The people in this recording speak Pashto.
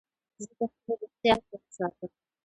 زه د خپلي روغتیا خیال ساتم.